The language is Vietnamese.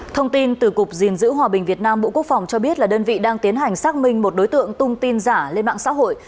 thông tin từ cục gìn giữ hòa bình việt nam bộ quốc phòng cho biết là đơn vị đang tiến hành xác minh một đối tượng tung tin giả lên mạng xã hội